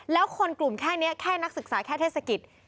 แล้วคนกลุ่มแค่นี้แค่นักศึกษาแค่เทศกิจ